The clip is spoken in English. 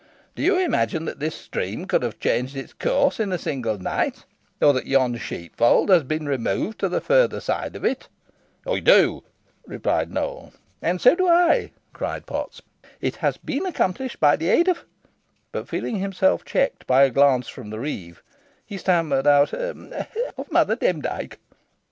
Do you imagine that this stream can have changed its course in a single night; or that yon sheepfold has been removed to the further side of it?" "I do," replied Nowell. "And so do I," cried Potts; "it has been accomplished by the aid of " But feeling himself checked by a glance from the reeve, he stammered out, "of of Mother Demdike."